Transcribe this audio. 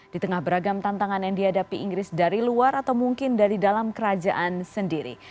di tengah beragam tantangan yang dihadapi inggris dari luar atau mungkin dari dalam kerajaan sendiri